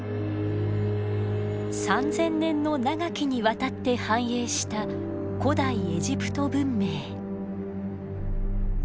３，０００年の長きにわたって繁栄した古代エジプト文明。